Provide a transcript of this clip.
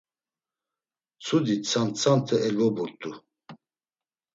Mtsudi tsantsante elvoburt̆u.